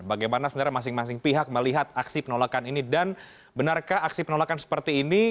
bagaimana sebenarnya masing masing pihak melihat aksi penolakan ini dan benarkah aksi penolakan seperti ini